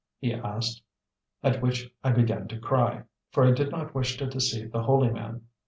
he asked. At which I began to cry, for I did not wish to deceive the holy man.